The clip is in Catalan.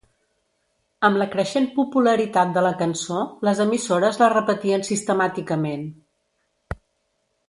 Amb la creixent popularitat de la cançó, les emissores la repetien sistemàticament.